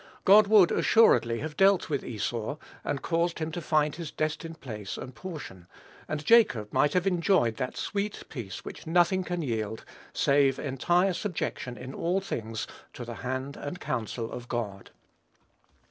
God would, assuredly, have dealt with Esau, and caused him to find his destined place and portion; and Jacob might have enjoyed that sweet peace which nothing can yield save entire subjection in all things to the hand and counsel of God.